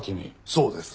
そうです。